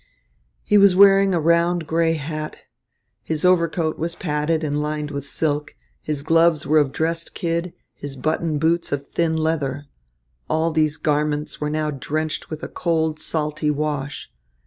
He was wearing a round grey hat. His overcoat was padded and lined with silk. His gloves were of dressed kid, his buttoned boots of thin leather. All these garments were now drenched with a cold, salty wash.